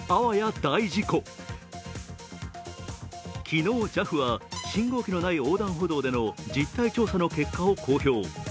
昨日、ＪＡＦは信号機のない横断歩道での実態調査の結果を公表。